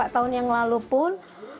empat tahun yang lalu pun